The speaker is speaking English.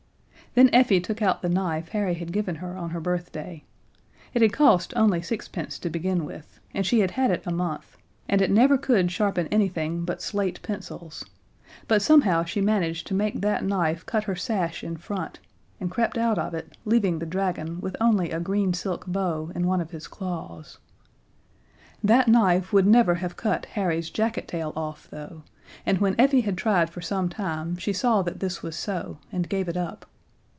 Then Effie took out the knife Harry had given her on her birthday. It had cost only sixpence to begin with, and she had had it a month, and it never could sharpen anything but slate pencils; but somehow she managed to make that knife cut her sash in front, and crept out of it, leaving the dragon with only a green silk bow in one of his claws. That knife would never have cut Harry's jacket tail off, though, and when Effie had tried for some time she saw that this was so and gave it up.